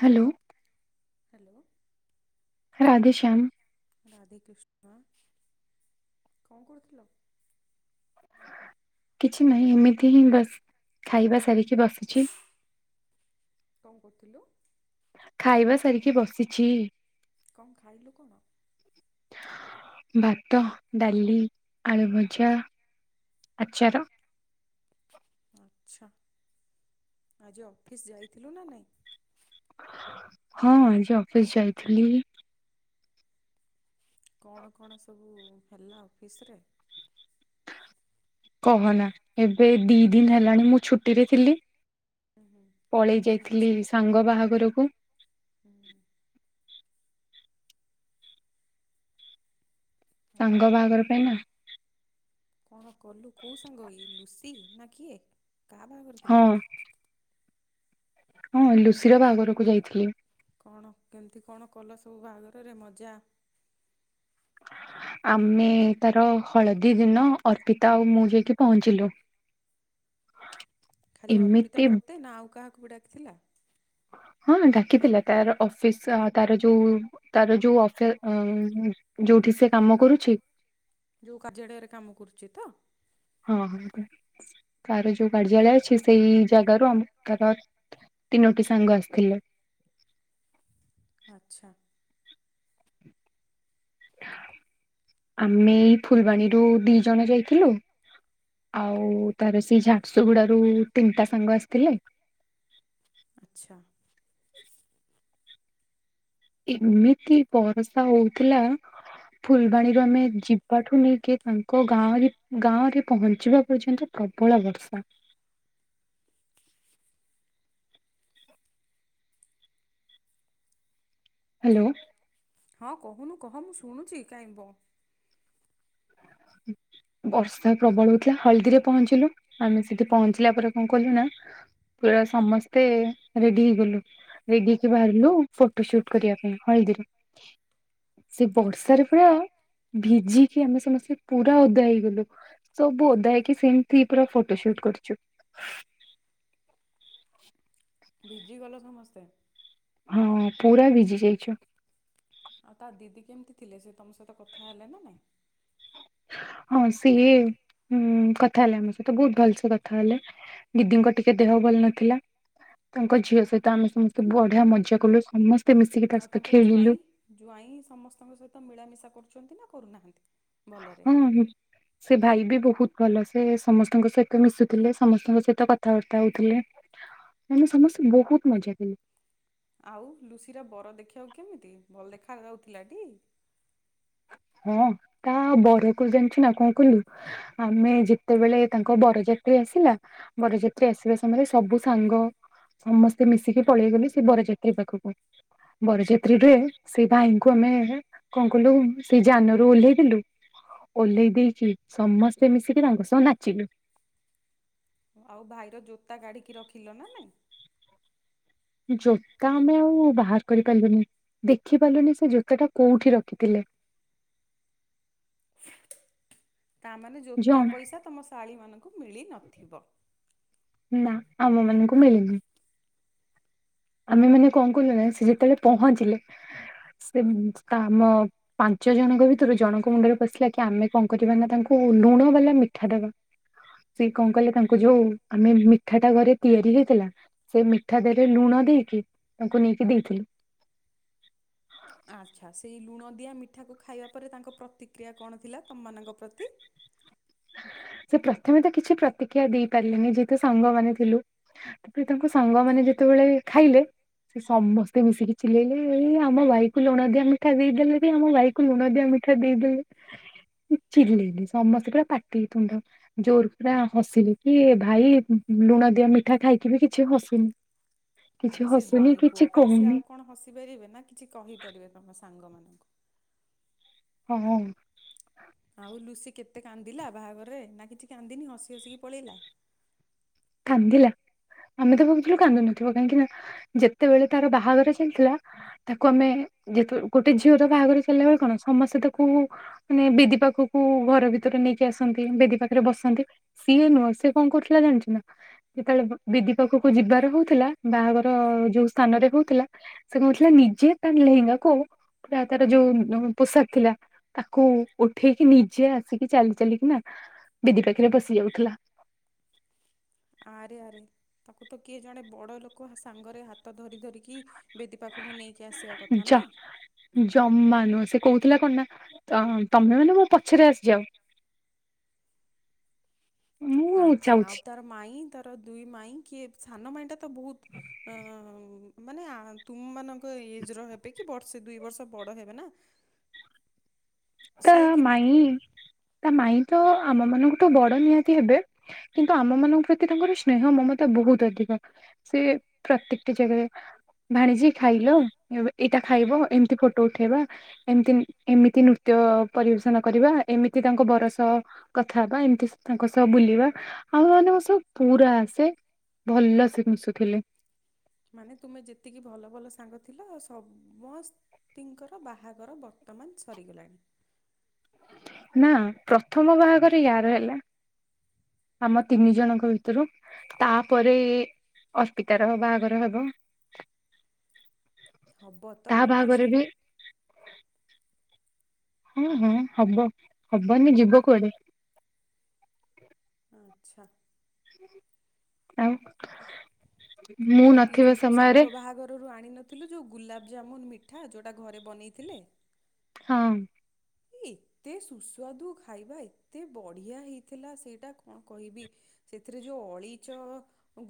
Hello. Hello. Radheshyam. Radhekrishna କଣ କହୁଥିଲ? କିଛି ନାହିଁ ଏମିତି ହିଁ ବସ ଖାଇବା ସାରିକି ବସିଛି। କଣ କରୁଥିଲୁ? ଖାଇବା ସାରିକି ବସିଛି। କଣ ଖାଇଲୁ କଣ? ଭାତ ଡାଲି ଆଳୁ ଭଜା ଆଚାର। ଆଚ୍ଛା ଆଜି ଅଫିସ୍ ଯାଇଥିଲୁ ନା ନାଇଁ? ହଁ ଆଜି ଅଫିସ୍ ଯାଇଥିଲି। କଣ କଣ ସବୁ ହେଲା ଅଫିସ୍ ରେ? କହନା ଏବେ ଏଇ ଦି ଦିନ ହେଲାଣି ମୁଁ ଛୁଟିରେ ଥିଲି। ହୁଁ ହୁଁ ପଳେଇ ଯାଇଥିଲି ଆଚ୍ଛା ସାଙ୍ଗ ବାହାଘରକୁ ହୁଁ। ଆଉ ସାଙ୍ଗ ବାହାଘର ପାଇଁ ନା କଣ କଲୁ କୋଉ ସାଙ୍ଗ ଇଏ ଲୁସି ନା କିଏ କାହା ବାହାଘର ଥିଲା? ହଁ ହଁ ଲୁସିିର ବାହାଘରକୁ ଯାଇଥିଲି। କଣ କେମିତି କଣ କଲ ସବୁ ବାହାଘରରେ ମଜା? [inaudible] ଆମେ ତାର ହଳଦୀ ଦିନ ଅର୍ପିତା ଆଉ ମୁଁ ଯାଇକି ପହଞ୍ଚିଲୁ। [inaudible] ଖାଲି ଅର୍ପିତା ଏମିତି ତୋତେ ନା ଆଉ କାହାକୁ ବି ଡାକିଥିଲା? ହଁ ଡାକିଥିଲା ତାର ଅଫିସ୍ ଆ ତାର ଯୋଉ ତାର ଯୋଉ ଅଫେ ଆଁ ଯୋଉଠି ସେ କାମ କରୁଛି ଯୋଉ କାର୍ଯ୍ୟାଳୟରେ କାମ କରୁଛି ତ? ହଁ ହଁ ତା ତାର ଯୋଉ କାର୍ଯ୍ୟାଳୟ ଅଛି ସେଇ ଜାଗାରୁ ଆମ ତାର ତିନୋଟି ସାଙ୍ଗ ଆସିଥିଲେ। ଆଚ୍ଛା। ଆମେ ଏଇ ଫୁଲବାଣୀରୁ ଦି ଜଣ ଯାଇଥିଲୁ। ଆଉ ତାର ସେଇ ଝାରସୁଗୁଡ଼ା ରୁ ତିନିଟା ସାଙ୍ଗ ଆସିଥିଲେ। ଆଚ୍ଛା। ଏମିତି ବରସା ହଉଥିଲା। ଫୁଲବାଣୀରୁ ଆମେ ଯିବାଠୁ ନେଇକି ତାଙ୍କ ଗାଁରେ ଗାଁରେ ପହଞ୍ଚିବା ପର୍ଯ୍ୟନ୍ତ ପ୍ରବଳ ବର୍ଷା। ହ୍ୟାଲୋ। ହଁ କହୁନୁ କହ ମୁଁ ଶୁଣୁଛି କାଇଁ ବ ବର୍ଷା ପ୍ରବଳ ହଉଥିଲା ହଳଦୀରେ ପହଞ୍ଚିଲୁ। ଆମେ ସେଠି ପହଞ୍ଚିଲା ପରେ କଣ କଲୁ ନା ପୁରା ସମସ୍ତେ ରେଡି ହେଇଗଲୁ। ରେଡି ହେଇକିି ବାହାରିଲୁ ଫଟୋ ସୁଟ୍ କରିବା ପାଇଁ ହଲଦୀରେ ସେ ଆଚ୍ଛା ବର୍ଷାରେ ପୁରା ଭିଜିକି ଆମେ ସମସ୍ତେ ପୁରା ଅଦା ହେଇଗଲୁ ସବୁ ଓଦା ହେଇକି ସେମିତି ପୁରା ଫଟୋ ସୁଟ୍ କରିଛୁ। ଭିଜିଗଲ ସମସ୍ତେ? ହଁ ପୁରା ଭିଜି ଯାଇଛୁ। ଆଉ ତା ଦିଦି କେମିତି ଥିଲେ ସେ ତମ ସହିତ କଥା ହେଲେ ନା ନାଇଁ? ହଁ ସିଏ ହୁଁ କଥା ହେଲେ ଆମ ସହିତ ବହୁତ ଭଲସେ କଥା ହେଲେ। ଦିଦିଙ୍କ ଟିକେ ଦେହ ଭଲ ନଥିଲା। ତାଙ୍କ ଝିଅ ସହିତ ଆମେ ସମସ୍ତେ ବଢିଆ ମଜା କଲୁ ସମସ୍ତେ ମିଶିକି ତା ଆଉ ସହିତ ତାଙ୍କ ଜ୍ୱାଇଁ ଖେଳିଲୁ ଜ୍ୱାଇଁ ସମସ୍ତଙ୍କ ସହିତ ମିଳାମିଶା କରୁଛନ୍ତି ନା କରୁନାହାନ୍ତି। ଭଲରେ ହଁ ସେ ଭାଇ ବି ବହୁତ ଭଲ ସେ ସମସ୍ତଙ୍କ ସହିତ ମିଶୁଥିଲେ ସମସ୍ତଙ୍କ ସହିତ କଥାବାର୍ତ୍ତା ହଉଥିଲେ। [unintelligible] ସମସ୍ତେ ବହୁତ ମଜା କଲେ। ଆଉ ଲୁସି ର ବର ଦେଖିବାକୁ କେମିତି ଭଲ ଦେଖା ଯାଉଥିଲା ଟି। ହଁ ତାହା ବର କଲ ଜାଣିଛୁ ନା କଣ କହିଲୁ। ଆମେ ଯେତେବେଳେ ତାଙ୍କ ବରଯାତ୍ରୀ ଆସିଲା। ବରଯାତ୍ରୀ ଆସିବା ସମୟରେ ସବୁ ସାଙ୍ଗ ସମସ୍ତେ ମିଶିକି ପଳେଇଗଲେ ସେ ବରଯାତ୍ରୀ ପାଖକୁ ବରଯାତ୍ରୀରେ ସେଇ ଭାଇଙ୍କୁ ଆମେ କଣ କଲୁ ସେ ଯାନରୁ ଓହ୍ଲେଇ ଦେଲୁ ଓହ୍ଲେଇ ଦେଇକି ସମସ୍ତେ ମିଶିକି ତାଙ୍କ ସହ ନାଚିଲୁ। ଆଉ ଭାଇର ଜୋତା କାଢିକି ରଖିଲ ନା ନାଇଁ। ଜୋତା ଆମେ ଆଉ ବାହାର କରିପାରିଲୁନି ଦେଖିପାରିଲୁନି ସେ ଜୋତା ଟା କୋଉଠି ରଖିଥିଲେ। ତାମାନେ ଜୋତା ଜଣା ପଇସା ତମ ଶାଳୀ ମାନଙ୍କୁ ମିଳି ନଥିବ? ନା ଆମ ମାନଙ୍କୁ ମିଳିନି। ଆମେ ମାନେ କଣ କଲୁ ନା ସେ ଯେତେବେଳେ ପହଞ୍ଚିଲେ ସେ ଆମ ପାଞ୍ଚ ଜଣକ ଭିତରୁ ଜଣଙ୍କ ମୁଣ୍ଡରେ ପଶିଲା କି ଆମେ କଣ କରିବା ନା ତାଙ୍କୁ ଲୁଣ ବାଲା ମିଠା ଦବା। ସେ କଣ କଲେ ତାଙ୍କୁ ଯୋଉ ଆମେ ମିଠାଟା ଘରେ ତିଆରି ହେଇଥିଲା ସେ ମିଠା ଦେହରେ ଲୁଣ ଦେଇକି ତାଙ୍କୁ ନେଇକି ଦେଇଥିଲି। ଆଚ୍ଛା ସେଇ ଲୁଣ ଦିଆ ମିଠାକୁ ଖାଇବା ପରେ ତାଙ୍କ ପ୍ରତିକ୍ରିୟା କଣ ଥିଲା ତମମାନଙ୍କ ପ୍ରତି। ସେ ପ୍ରଥମେ ତ କିଛି ପ୍ରତିକ୍ରିୟା ଦେଇପାରିଲିନି ଯେହେତୁ ସାଙ୍ଗମାନେ ଥିଲୁ। ତାପରେ ତାଙ୍କ ସାଙ୍ଗମାନେ ଯେତେବେଳେ ଖାଇଲେ ସେ ସମସ୍ତେ ମିଶିକି ଚିଲେଇଲେ ଏଇ ଆମ ଭାଇକୁ ଲୁଣ ଦିଆ ମିଠା ଦେଇ ଦେଲେରେ ଆମ ଭାଇ ଲୁଣଦିଆ ମିଠା ଦେଇ ଚିଲେଇଲେ ସମସ୍ତେ ପୁରା ପାଟି ତୁଣ୍ଡ ଜୋର ପୁରା ହସିଲେ କି ଭାଇ ଲୁଣ ଦିଆ ମିଠା ଖାଇକି ବି କିଛି ହସୁନି [inaudible] ଆରେ ସେ ହସୁନି ଜ୍ବାଇଁ ପୁଅ କିଛି ପା ସିଏ କହୁନି ଆଉ କଣ ହସି ପାରିବେ ନା କିଛି କହିପାରିବେ ତମ ସାଙ୍ଗ ମାନଙ୍କୁ। ହଁ ହଁ। ଆଉ ଲୁସି କେତେ କାନ୍ଦିଲା ବାହାଘରରେ ନା କିଛି କାନ୍ଦିନି ହସି ହସିକି ପଳେଇଲା। କାନ୍ଦିଲା। ଆମେ ତ ଭାବୁଥିଲୁ କାନ୍ଦୁ ନଥିବ କାହିଁକି ନା ଯେତେବେଳେ ତାର ବାହାଘର ଚାଲିଥିଲା ତାକୁ ଆମେ ଯେତ ଗୋଟେ ଝିଅର ବାହାଘର ଚାଲିଲା ବେଳେ କଣ ସମସ୍ତେ ତାକୁ ମାନେ ବେଦୀ ପାଖକୁ ଘର ଭିତରେ ନେଇକି ଆସନ୍ତି ବେଦୀ ପାଖରେ ବସନ୍ତି। ସିଏ ନୁହଁ ସେ କଣ କରୁଥିଲା ଜାଣିଚୁ ନା। ଯେତେବେଳେ ବେଦି ପାଖକୁ ଯିବାର ହଉଥିଲା ବାହାଘର ଯୋଉ ସ୍ଥାନରେ ହଉଥିଲା ସେ କରୁଥିଲା ନିଜେ ତା ଲେହେଙ୍ଗା କୁ ପୁରା ତାର ଯୋଉ ପୋଷାକ ଥିଲା ତାକୁ ଉଠେଇକି ନିଜେ ଆସିକି ଚାଲି ଚାଲିକି ନା ବେଦି ପାଖରେ ବସି ଯାଉଥିଲା। ଆରେ ଆରେ ତାକୁ ତ କିଏ ଜଣେ ବଡ଼ ଲୋକ ସାଙ୍ଗରେ ହାତ ଧରି ଧରିକି ବେଦୀ ପାଖକୁ ନେଇକି ଆସିବା କଥା ଯା ନା। ଜମା ନୁହଁ ସେ କହୁଥିଲା କଣନା ତମେ ମାନେ ମୋ ପଛରେ ଆସିଯାଅ [inaudible] ମୁଁ ଆଚ୍ଛା ଆଉ ଯାଉଛି ତାର ମାଇଁ ତାର ଦୁଇ ମାଇଁ କିଏ ସାନ ମାଇଁଟା ତ ବହୁତ୍ ଅ ମାନେ ଆ ତୁମମାନଙ୍କ ଏଜ ର ହେବେ କି ବର୍ଷେ ଦୁଇ ବର୍ଷ ବଡ଼ ହେବେ ନା। ତା ସେ କେମତି ମାଇଁ ତା ମାଇଁତ ଆମ ମାନଙ୍କଠୁ ବଡ଼ ନିହାତି ହେବେ। କିନ୍ତୁ ଆମ ମାନଙ୍କ ପ୍ରତି ତାଙ୍କର ସ୍ନେହ ମମତା ବହୁତ୍ ଅଧିକ। ସେ ପ୍ରତ୍ୟେକଟି ଜାଗାରେ ଭାଣିଜି ଖାଇଲ ଏ ଏଇଟା ଖାଇବ ଏମିତି ଫୋଟୋ ଉଠେଇବା ଏମିତି ଏମିତି ନୁ ନୃତ୍ୟ ପରିବେଷଣ କରିବା ଏମିତି ତାଙ୍କ ବର ସହ କଥା ହେବା ଏମିତି ତାଙ୍କ ସହ ବୁଲିବା ଆଉ ମାନେ ଆତସହ ପୁରା ସେଭଲସେ ମିଶୁଥିଲେ। ମାନେ ତୁମେ ଯେତିକି ଭଲ ଭଲ ସାଙ୍ଗ ଥିଲ ସମସ ତିଙ୍କର ବାହାଘର ବର୍ତ୍ତମାନ ସରିଗଲାଣି। ନା ପ୍ରଥମ ବାହାଘର ୟାର ହେଲା। ଆମ ତିନି ଜଣଙ୍କ ଭିତରୁ ତାପରେ ଅସ୍ପିିତାର ବାହାଘର ହବ। ହବତ ତା ନାଁ ବାହାଘର ସେ ବି ହଁ ହଁ ହବ ହବନି ଯିବ କୁଆଡ଼େ। ଆଚ୍ଛା। ଆଉ? ମୁଁ ଆଉତୁ ନଥିବା ଯୋଉ ତୋ ସମୟରେ ସାଙ୍ଗ ବାହାଘରରୁ ଆଣିନ ଥିଲୁ ଯେଉଁ ଗୁଲାବଜାମୁନ୍ ମିଠା ଯେଉଁଟା ଘରେ ବନେଇଥିଲେ? ହଁ। ଏତେ ସୁସ୍ୱାଦୁ ଖାଇବା ଏତେ ବଢ଼ିଆ ହେଇଥିଲା ସେଇଟା କଣ କହିବି ସେଥିରେ ଯୋଉ ଅଳିଚ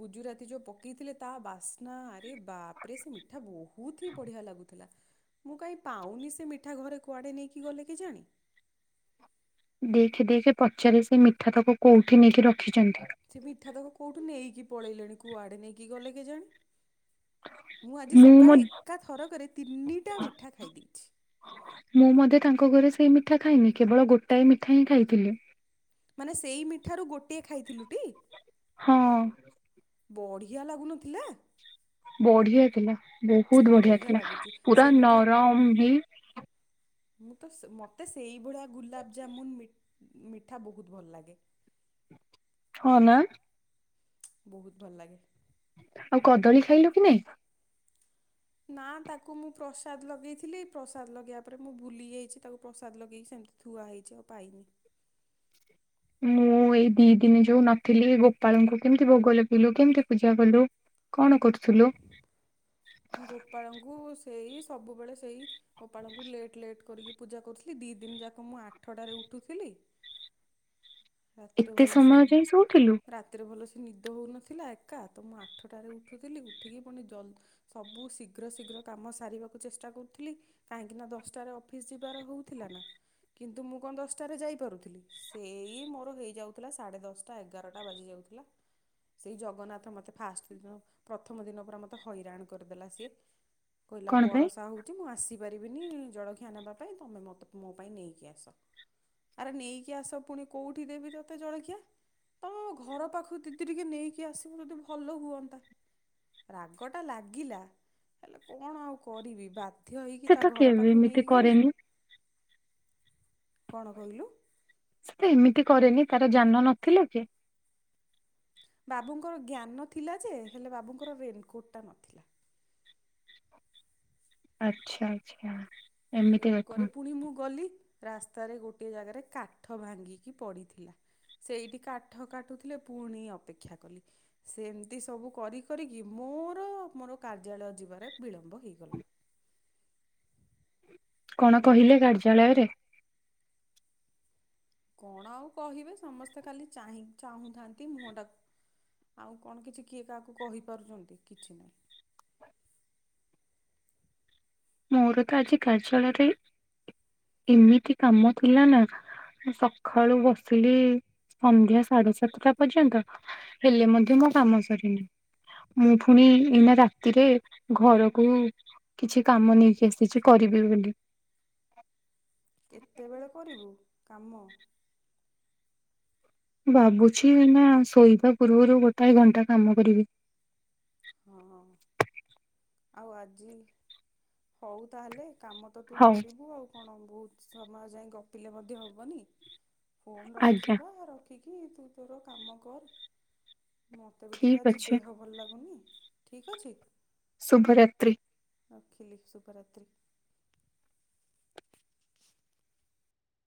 ଗୁଜୁରାତି ଯୋଉ ପକେଇଥିଲେ ତାବାସ୍ନ ଆରେ ବାପରେ ସେମିଠା ବୋହୁ ବହୁତ୍ ହିଁ ବଢ଼ିଆ ଲାଗୁଥିଲା ମୁଁ କାହିଁ ପାଉନିସେ ମିଠା ଘରେ କୁଆଡ଼େ ନେଇକି ଗଲେକି ଜାଣି ଦେଖେ ଦେଖେ ପଚାରେ ସେ ମିଠା ତାକୁ କୋଉଠି ନେଇକି ରଖିଛନ୍ତି। ସେ ମିଠା ତକ କୋଉଠୁ ନେଇକି ପଳେଇଲେଣି କୁଆଡେ ନେଇକି ଗଲେ କେଜାଣି ମୁଁ ଆଜି ସକାଳେ ଏକା ଥରକରେ ତିନିଟା ମିଠା ଖାଇ ଦେଇଚି। ମୁଁ ମଧ୍ୟେ ତାଙ୍କ ଘରେ ସେଇ ମିଠା ଖାଇନି କେବଳ ଗୋଟାଏ ମିଠାହିଁ ଖାଇଥିଲି। ମାନେ ସେଇ ମିଠାରୁ ଗୋଟିଏ ଖାଇଥିଲୁଟି? ହଁ। ବଢ଼ିଆ ଲାଗୁନଥିଲା? ବଢ଼ିଆ ଥିଲା ବହୁତ୍ ବଢ଼ିଆ ଥିଲା ଲାଗୁଛି ପୁରା ସେ ମିଠା ନରମ ହେଇ ମୁଁ ତ ସ ମୋତେ ସେଇଭଳିଆ ଗୁଲାବଜାମୁନ୍ ମି ମିଠା ବହୁତ୍ ଭଲ ଲାଗେ। ହଁ ନା। ବହୁତ୍ ଭଲ ଲାଗେ। ଆଉ କଦଳୀ ଖାଇଲୁକି ନାଇଁ? ନା ତାକୁ ମୁଁ ପ୍ରସାଦ ଲଗେଇଥିଲି ପ୍ରସାଦ ଲଗେଇବା ପରେ ମୁଁ ଭୁଲି ଯାଇଚି ତାକୁ ପ୍ରସାଦ ଲଗେଇକି ସେମିତି ଥୁଆ ହେଇଚି ଆଉ ପାଇନି। ମୁଁ ଏଇ ଦି ଦିନ ଯୋଉ ନଥିଲି ଗୋପାଳଙ୍କୁ କେମିତି ଭୋଗଲ ପିିଲୁ କେମିତି ପୂଜା କଲୁ? କଣ କରୁଥିଲୁ? ଗୋପାଳଙ୍କୁ ସେଇ ସବୁବେଳେ ସେଇ ଗୋପାଳଙ୍କୁ ଲେଟ୍ ଲେଟ୍ କରିକି ପୂଜା କରୁଥିଲି ଦି ଦିନ ଯାକ ମୁଁ ଆଠଟାରେ ଉଠୁଥିଲି? ରାତିରେ ଏତେ ଭଲସେ ସମୟ ନି ଯାଇ ଶୋଉଥିଲୁ ରା ଏଥିରେ ଭଲସେ ନିଦ ହେଉନଥିଲା ଏକା ତ ମୁଁ ଆଠଟାରେ ଉଠୁଥିଲି ଉଠିକି ପୁଣି ଜଲ ସବୁ ଶୀଘ୍ର ଶୀଘ୍ର କାମ ସାରିବାକୁ ଚେଷ୍ଟା କରୁଥିଲି। କାହିଁକି ନା ଦଶଟା ରେ ଅଫିସ୍ ଯିବାର ହଉଥିଲା ନା, କିନ୍ତୁ ମୁଁ କଁ ଦଶଟା ରେ ଯାଇପାରୁଥିଲି ସେଇ, ଇ ମୋର ହେଇଯାଉଥିଲା ସାଢେ ଦଶଟା ଏଗାରଟା ବାଜି ଯାଉଥିଲା, ସେଇ ଜଗନ୍ନାଥ ମୋତେ ଫାଷ୍ଟ ଦିନ ପ୍ରଥମ ଦିନ ପୁରରା ମୋତେ ହଇରାଣ କରିଦେଲା ସିଏ, କହିଲା କଣ ପାଇଁ? ବରସା ହଉଛି ମୁଁ ଆସିପାରିବିନି ଜଳଖିଆ ନେବା ପାଇଁ ତମେ ମତେ ମୋ ପାଇଁ ନେଇକି ଆସ, ଆରେ ନେଇକି ଆସ ପୁଣି କୋଉଠି ଦେବି ତତେ ଜଳଖିଆ, ତ ଘର ପାଖକୁ ଦିଦି ଟିକେ ନେଇକି ଆସିବ ଯଦି ଭଲ ହୁଅନ୍ତା, ରାଗଟା ଲାଗିଲା ହେଲେ କଣ ଆଉ କରିବି ବା ଧ୍ୟ ହେଇକି ସେ ତା ତ ଘର କେବେ ପାଖକୁ ଏମିତି ନେଇକି ଗଲି କରେନି କଣ କହିଲୁ, ସେ ତ ଏମିତି କରେନି ତାର ଯାନ ନଥିଲ କି, ବାବୁଙ୍କ ଜ୍ଞାନ ଥିଲା ଯେ ହେଲେ ବାବୁଙ୍କର ରେନ୍ କୋଟ୍ ଟା ନଥିଲା, ଆଚ୍ଛା-ଆଚ୍ଛା, ତେଣୁକରି ପୁଣି ମୁଁ ଗଲି ରାସ୍ତାରେ ଗୋଟିଏ ଜାଗାରେ କାଠ ଭାଙ୍ଗିକି ପଡ଼ିଥିଲା, ସେଇଠି କାଠ କାଟୁଥିଲେ ପୁଣି ଅପେକ୍ଷା କଲି, ସେମିତି ସବୁ କରି କରିକି ମୋର-ମୋର କାର୍ଯ୍ୟାଳୟ ଯିବାରେ ବିଳମ୍ବ ହେଇଗଲା, କଣ କହିଲେ କାର୍ଯ୍ୟାଳୟରେ, କଣ ଆଉ କହିବେ ସମସ୍ତେ ଖାଲି ଚାହିଁ ଚାହୁଁଥାନ୍ତି ମୁହଁ ଟାକ୍ ଆଉ କଣ କିଛି କିଏ କାହାକୁ କହିପାରୁଛନ୍ତି କିଛି ନାହିଁ, ମୋର ତ ଆଜି କାର୍ଯ୍ୟାଳୟରେ ଏମିତି କାମ ଥିଲା ନା, ମୁଁ ସଖାଳୁ ବସିଲି ସନ୍ଧ୍ୟା ସାଢ଼େ ସାତଟା ପର୍ଯ୍ୟନ୍ତ, ହେଲେ ମଧ୍ୟ ମୋ କାମ ସରିନି, ମୁଁ ଫୁଣି ଏଇନା ରାତିରେ ଘରକୁ, କିଛି କାମ ନେଇକି ଆସିଛି କରିବି ବୋଲି, କେତେବେଳେ କରିବୁ କାମ? ଭାବୁଛି ଏଇନା ଶୋଇବା ପୂର୍ବରୁ ଗୋଟାଏ ଘଣ୍ଟା କାମ କରିବି, ହଁ-ହଁ, ଆଉ ଆଜି ହଉ ତାହେଲେ କାମ ତ ତୁ ହଉ କରିବୁ ଆଉ, କଣ ବହୁତ୍ ସମୟ ଯାଏ ଗପିଲେ ମଧ୍ୟ ହବନି ଫୋନ ଆଜ୍ଞା ରଖିବା ର ରଖିକି ତୁ ତୋର କାମ କର ମୋତେ ବି ଟିକେ ଠିକ ଆଜି ଅଛି ଦେହ ଭଲ ଲାଗୁନି, ଠିକ୍ ଅଛି, ଶୁଭ ରାତ୍ରି, ଖିଲି ଶୁଭ ରାତ୍ରି,